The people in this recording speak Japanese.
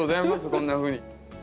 こんなふうに。